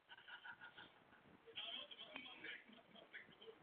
Následovalo studium na Juilliard School a později se věnoval mimo jazzu i klasické hudbě.